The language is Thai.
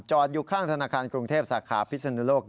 อยู่ข้างธนาคารกรุงเทพสาขาพิศนุโลก